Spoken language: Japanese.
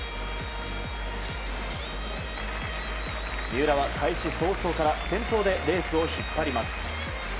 三浦は開始早々から先頭でレースを引っ張ります。